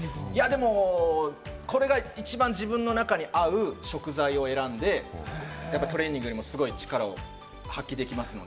でもこれが自分の中で一番合う食材を選んで、トレーニングでも力を発揮できますので。